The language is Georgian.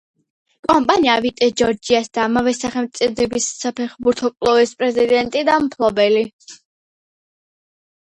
კომპანია ვიტ ჯორჯიას და ამავე სახელწოდების საფეხბურთო კლუბის პრეზიდენტი და მფლობელი.